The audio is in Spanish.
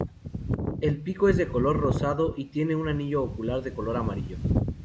El pico es de color rosado, y tiene un anillo ocular de color amarillo.